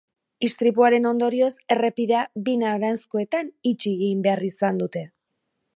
Istripuaren ondorioz errepidea bi noranzkoetan itxi egin behar izan dute.